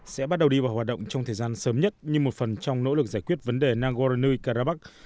sẽ bắt đầu đi vào hoạt động trong thời gian sớm nhất như một phần trong nỗ lực giải quyết vấn đề nagorno karabakh